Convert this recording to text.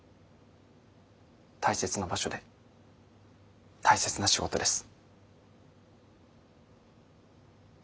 大切な場所で大切な仕事です。